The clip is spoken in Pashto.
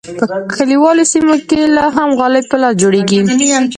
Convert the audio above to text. په کلیوالو سیمو کې لا هم غالۍ په لاس جوړیږي.